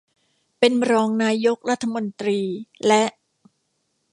เป็นรองนายกรัฐมนตรีและ